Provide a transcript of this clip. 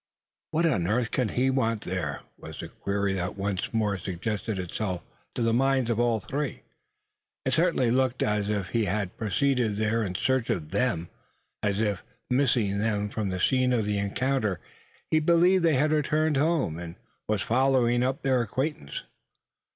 What on earth can he want there? was the query that once more suggested itself to the minds of all three. It certainly looked as if he had proceeded there in search of them! As if, missing them from the scene of the encounter, he believed they had returned home, and was following up their acquaintance.